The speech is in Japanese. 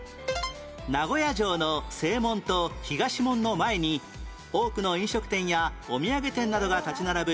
名古屋城の正門と東門の前に多くの飲食店やお土産店などが立ち並ぶ